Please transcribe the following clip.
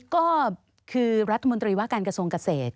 ก็คือรัฐมนตรีว่าการกระทรวงเกษตร